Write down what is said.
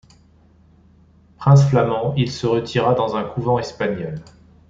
Prince flamand, il se retira dans un couvent espagnol.